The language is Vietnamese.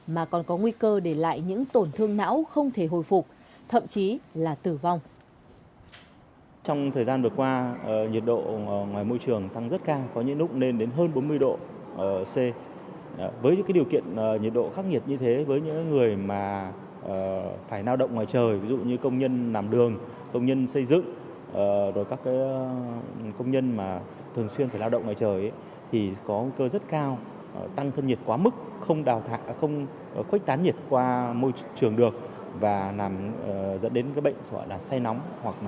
mà còn có nguy cơ để lại những tổn thương não không thể hồi phục thậm chí là tử vong